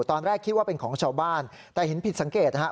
ตอนแรกคิดว่าเป็นของชาวบ้านแต่เห็นผิดสังเกตนะครับ